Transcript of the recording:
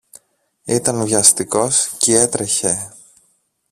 Ήταν βιαστικός κι έτρεχε.